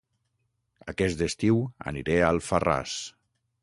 Aquest estiu aniré a Alfarràs